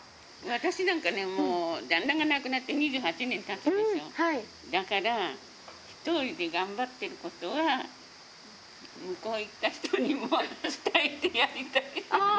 私なんかね、もう、旦那が亡くなって２８年たつでしょ、だから、１人で頑張ってることは、向こう行った人にも、伝えてやりたい。